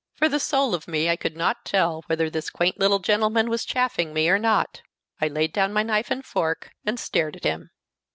For the soul of me I could not tell whether this quaint little gentleman was chaffing me or not. I laid down my knife and fork, and stared at him.